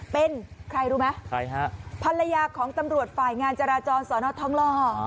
เป็นใครรู้ไหมใครฮะภรรยาของตำรวจฝ่ายงานจราจรสอนอทองล่อ